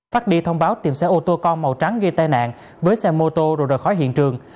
phát đi thông báo tìm xe ô tô con màu trắng gây tai nạn với xe mô tô rồi rời khỏi hiện trường